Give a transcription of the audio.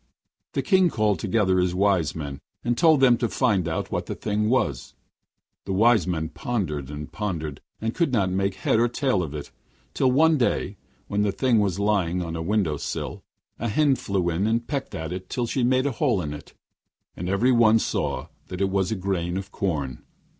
The King called together his wise men, and told them to find out what the thing was. The wise men pondered and pondered and could not make head or tail of it, till one day, when the thing was lying on a window sill, a hen flew in and pecked at it till she made a hole in it, and then every one saw that it was a grain of corn.